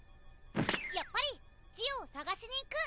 やっぱりジオを捜しに行く。